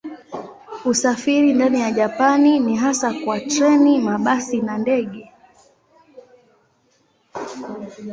Usafiri ndani ya Japani ni hasa kwa treni, mabasi na ndege.